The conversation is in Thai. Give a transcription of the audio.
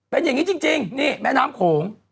เป็นอย่างนี้จริงนี่แม่น้ำโขง